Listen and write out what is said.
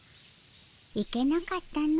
行けなかったの。